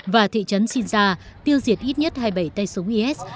và thị trấn shinza tiêu diệt ít nhất hai mươi bảy tay súng is